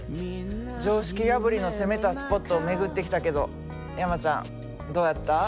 常識破りの攻めたスポットを巡ってきたけど山ちゃんどやった？